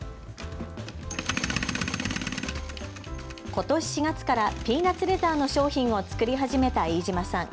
ことし４月からピーナッツレザーの商品をつくり始めた飯島さん。